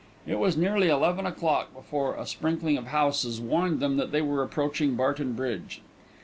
It was nearly eleven o'clock before a sprinkling of houses warned them that they were approaching Barton Bridge.